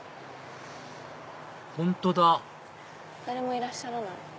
本当だ誰もいらっしゃらない。